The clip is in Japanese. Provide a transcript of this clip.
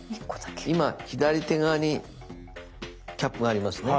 今左手側にキャップがありますね。